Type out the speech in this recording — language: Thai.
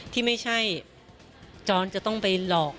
ที่ไม่ใช่จรจะต้องไปหลอก